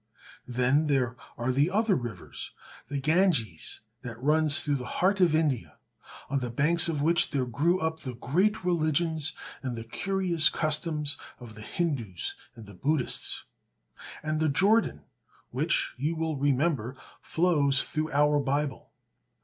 Then there are other rivers, The Ganges, that runs through the heart of India, on the banks of which there grew up the great religions and the curious customs of the Hindus and the Buddhists; and the Jordan, which, you will remember, flows through our Bible.